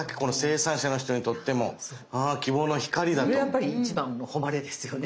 やっぱり一番の誉れですよね。